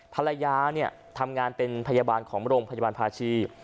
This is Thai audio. ภรรยาเนี่ยทำงานเป็นพยาบาลของโรงพยาบาลภาชี